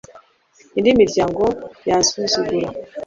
indi miryango yansuzugura